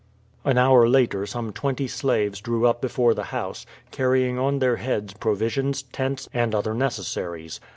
An hour later some twenty slaves drew up before the house, carrying on their heads provisions, tents, and other necessaries.